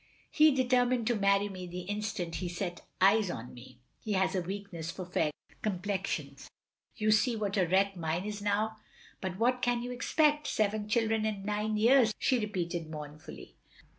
He determined to marry me the instant he set eyes on me. He has a weakness for fair complexions. You see what a wreck mine is now. But what can you expect? Seven children in nine years," she repeated mournfully.